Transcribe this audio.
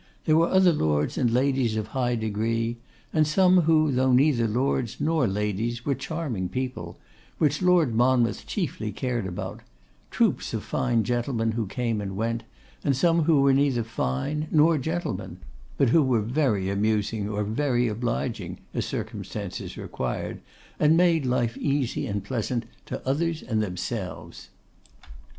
There were other lords and ladies of high degree; and some who, though neither lords nor ladies, were charming people, which Lord Monmouth chiefly cared about; troops of fine gentlemen who came and went; and some who were neither fine nor gentlemen, but who were very amusing or very obliging, as circumstances required, and made life easy and pleasant to others and themselves.